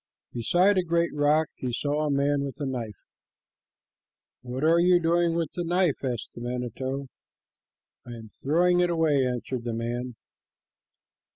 Beside a great rock he saw a man with a knife. "What are you doing with the knife?" asked the manito. "I am throwing it away," answered the man.